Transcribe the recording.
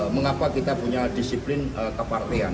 mengapa kita punya disiplin kepartean